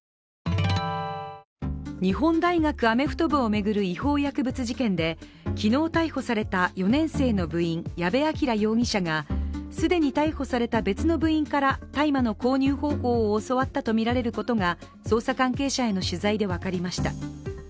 日本大学アメフト部を巡る違法薬物事件で昨日逮捕された４年生の部員矢部鑑羅容疑者が既に逮捕された別の部員から大麻の購入方法を教わったとみられることが捜査関係者への取材で分かりました。